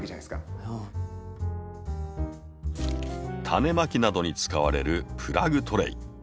タネまきなどに使われるプラグトレイ。